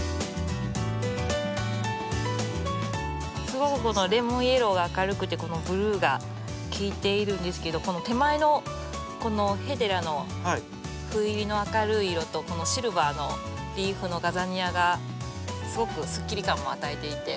すごくこのレモンイエローが明るくてこのブルーがきいているんですけどこの手前のこのヘデラのふ入りの明るい色とこのシルバーのリーフのガザニアがすごくすっきり感も与えていて。